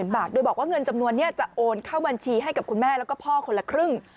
บาทโดยบอกว่าเงินจำนวนนี้จะโอนเข้าบัญชีให้กับคุณแม่แล้วก็พ่อคนละครึ่ง